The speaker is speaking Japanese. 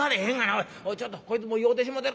おいちょっとこいつもう酔うてしもうてる。